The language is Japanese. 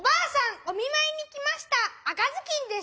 おみまいにきました赤ずきんです。